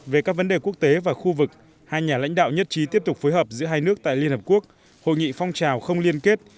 về các vấn đề quốc tế và khu vực hai nhà lãnh đạo nhất trí tiếp tục phối hợp giữa hai nước tại liên hợp quốc hội nghị phong trào không liên kết